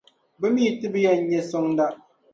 bɛ mi ti bi yɛn nya sɔŋda.